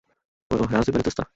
Po jeho hrázi vede cesta.